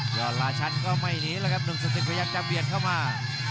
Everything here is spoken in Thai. อดราชันก็ไม่หนีแล้วครับหนุ่มสสิกพยายามจะเบียดเข้ามา